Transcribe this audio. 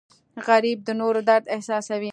غریب د نورو درد احساسوي